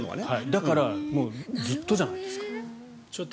だからずっとじゃないですか？